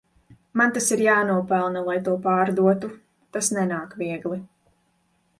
Man tas ir jānopelna lai to pārdotu, tas nenāk viegli.